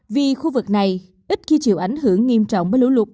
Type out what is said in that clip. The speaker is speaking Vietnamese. vì khu vực này ít khi chịu ảnh hưởng nghiêm trọng với lũ lụt ở thị trường